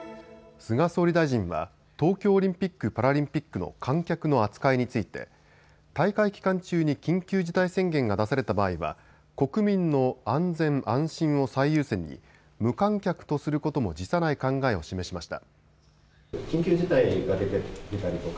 菅総理大臣は東京オリンピック・パラリンピックの観客の扱いについて大会期間中に緊急事態宣言が出された場合は国民の安全・安心を最優先に無観客とすることも辞さない考えを示しました。